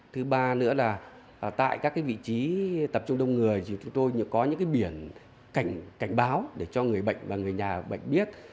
thứ ba nữa là tại các vị trí tập trung đông người thì chúng tôi có những biển cảnh báo để cho người bệnh và người nhà bệnh biết